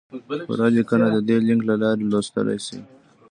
پوره لیکنه د دې لینک له لارې لوستی شئ!